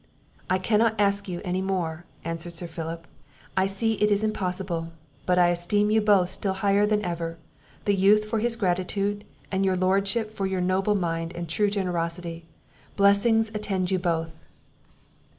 "I cannot ask you any more," answered Sir Philip, "I see it is impossible; but I esteem you both still higher than ever; the youth for his gratitude, and your lordship for your noble mind and true generosity; blessings attend you both!"